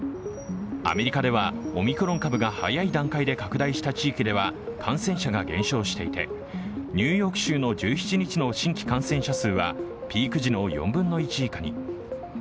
アメリカではオミクロン株が早い段階で拡大した地域では感染者が減少していてニューヨーク州の１７日の新規感染者数はピーク時の４分の１以下に。